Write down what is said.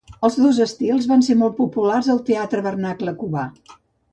Els dos estils van ser molt populars al teatre vernacle cubà.